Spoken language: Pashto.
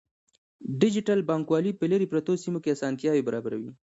ډیجیټل بانکوالي په لیرې پرتو سیمو کې اسانتیاوې برابروي.